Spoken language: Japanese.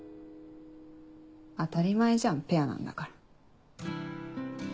当たり前じゃんペアなんだから。